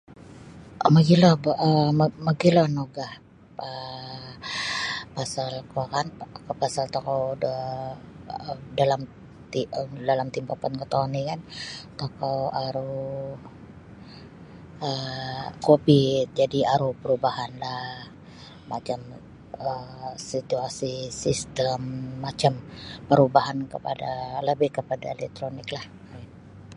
um mogilo boh um mogilo naugah um pasal kuo kan pasal tokou do um dalam te dalam tempoh ampat ngatoun ri kan tokou aru um covid jadi' aru parubahanlah macam um situasi sistem macam parubahan kapada labih kapada eletroniklah.